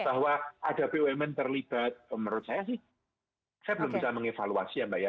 bahwa ada bumn terlibat menurut saya sih saya belum bisa mengevaluasi ya mbak ya